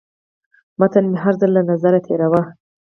متن مې هر ځل له نظره تېراوه.